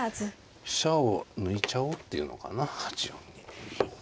飛車を抜いちゃおうっていうのかな８四に。